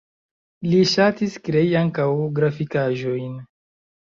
Li ŝatis krei ankaŭ grafikaĵojn.